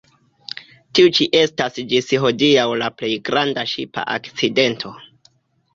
Tiu ĉi estas ĝis hodiaŭ la plej granda ŝipa akcidento.